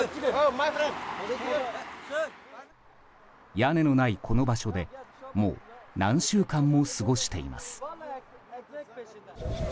屋根のないこの場所でもう何週間も過ごしています。